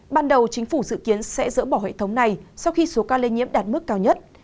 ban đầu chính phủ dự kiến sẽ dỡ bỏ hệ thống này sau khi số ca lây nhiễm đạt mức cao nhất